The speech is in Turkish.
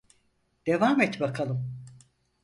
Devam et bakalım.